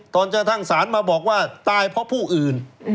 จนกระทั่งศาลมาบอกว่าตายเพราะผู้อื่น